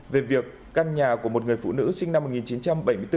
về việc căn nhà của một người phụ nữ sinh năm một nghìn chín trăm bảy mươi bốn